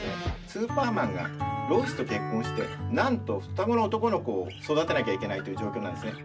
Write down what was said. スーパーマンがロイスと結婚してなんと双子の男の子を育てなきゃいけないという状況なんですね。